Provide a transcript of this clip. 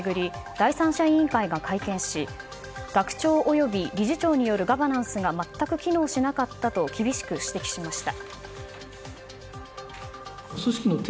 第三者委員会が会見を行い学長及び理事長によるガバナンスが全く機能しなかったと厳しく指摘しました。